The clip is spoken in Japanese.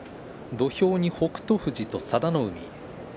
土俵に北勝富士と佐田の海。